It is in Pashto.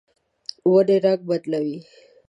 ونې رڼګ بدلوي